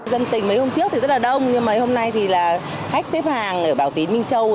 dân tình mấy hôm trước thì rất là đông nhưng mấy hôm nay thì là khách xếp hàng ở bảo tín minh châu